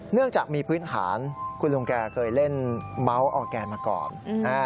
เนื่องจากมีพื้นฐานคุณลุงแกเคยเล่นเมาส์ออร์แกนมาก่อน